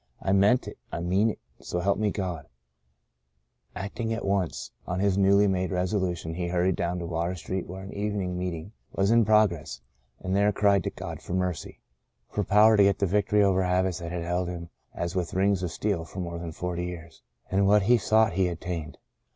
I mean it — I mean it — so help me God I " Acting at once on his newly made resolu tion he hurried down to Water Street where an evening meeting was in progress, and there cried to God for mercy — for power to get the victory over habits that had held him as with rings of steel for more than forty 76 Into a Far Country years. And what he sought he obtained.